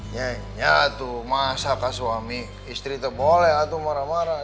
iya itu masakah suami istri itu boleh itu marah marah